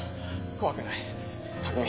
怖くない卓海。